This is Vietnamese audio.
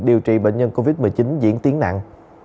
điều trị bệnh nhân covid một mươi chín diễn tiến nặng